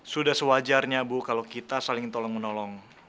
sudah sewajarnya bu kalau kita saling tolong menolong